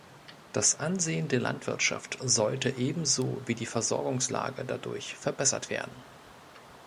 Das Ansehen der Landwirtschaft sollte ebenso wie die Versorgungslage dadurch verbessert werden.